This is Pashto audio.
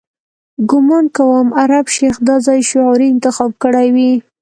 ګومان کوم عرب شیخ دا ځای شعوري انتخاب کړی وي.